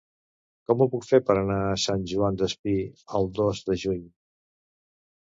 Com ho puc fer per anar a Sant Joan Despí el dos de juny?